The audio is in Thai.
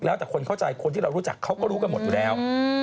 แล้วแต่คนเข้าใจคนที่เรารู้จักเขาก็รู้กันหมดอยู่แล้ว